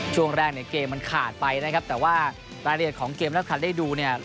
ช่วงแรกเนี่ยเกมมันขาดไปนะครับแต่ว่ารายละเอียดของเกมแล้วคันได้ดูเนี่ย